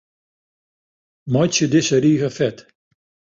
Meitsje dizze rige fet.